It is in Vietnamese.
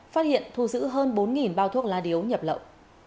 phát hiện thu giữ hơn bốn bao thuốc lá điếu nhập lậu